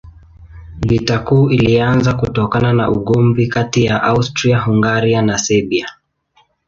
Vita Kuu ilianza kutokana na ugomvi kati ya Austria-Hungaria na Serbia.